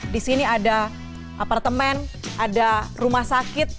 di sini ada apartemen ada rumah sakit